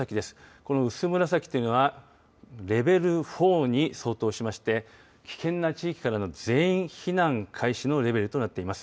この薄紫というのはレベル４に相当しまして危険な地域からの全員避難開始のレベルとなっています。